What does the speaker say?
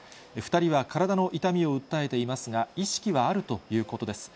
２人は体の痛みを訴えていますが、意識はあるということです。